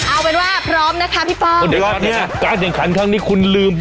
เอาเป็นว่าพร้อมนะคะพี่ป้องเดี๋ยวก่อนเนี้ยการแข่งขันครั้งนี้คุณลืม